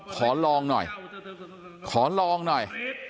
ขอลองหน่อยขอลองหน่อย